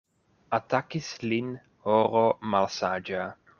Atakis lin horo malsaĝa.